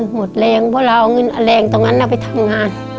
หมดแรงเพราะเราเอาเงินแรงตรงนั้นไปทำงาน